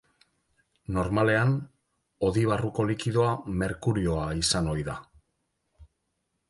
Normalean, hodi barruko likidoa merkurioa izan ohi da.